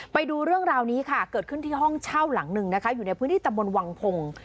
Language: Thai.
ไปดูเรื่องราวนี้ค่ะเกิดขึ้นที่ห้องเช่าหลังหนึ่งนะคะอยู่ในพื้นที่ตำบลวังพงศ์